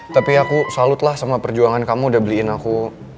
tapi aku salut lah sama perjuangan kamu udah beliin aku